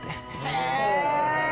へえ！